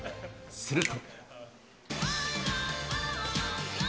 すると。